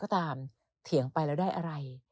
ก็ตามเถียงไปแล้วได้อะไร